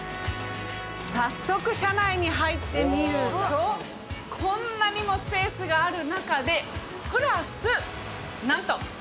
早速車内に入ってみるとこんなにもスペースがある中でプラスなんと！